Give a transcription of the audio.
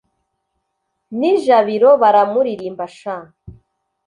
N' i Jabiro baramuririmba sha